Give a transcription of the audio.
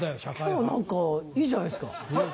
今日何かいいじゃないですか。